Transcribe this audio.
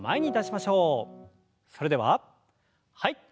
それでははい。